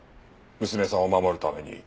娘さんを守るために。